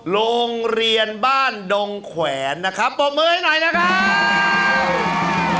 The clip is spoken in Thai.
โรงเรียนบ้านดงแขวนนะครับปรบมือให้หน่อยนะครับ